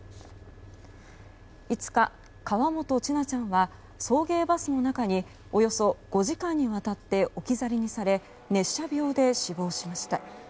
５日、河本千奈ちゃんは送迎バスの中におよそ５時間にわたって置き去りにされ熱射病で死亡しました。